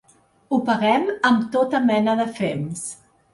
Ho paguem amb tota mena de fems.